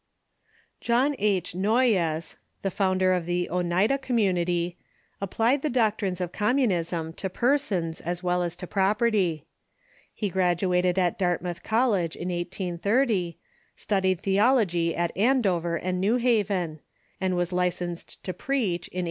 John H. Noyes, the founder of the Oneida Community, ap plied the doctrines of communism to persons as well as to property. He graduated at Dartmouth College in Oneida igSO, Studied theology at Andover and New Haven, Community '»•'' and was licensed to preach in 1833.